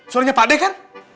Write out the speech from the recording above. suaranya pakde kan